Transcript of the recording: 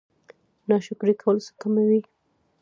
ناشکري کول څه کموي؟